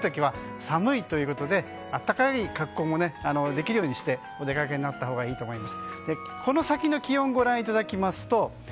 明日夜、帰る時は寒いということで暖かい格好もできるようにしてお出かけになったほうがいいと思います。